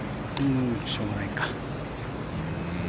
しょうがないか。